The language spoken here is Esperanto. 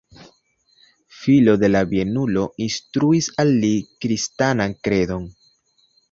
Filo de la bienulo instruis al li kristanan kredon.